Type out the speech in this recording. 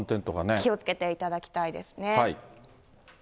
気をつけていただきたいですね。